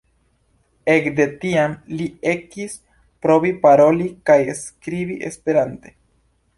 Ekde tiam, Li ekis provi paroli kaj skribi esperante.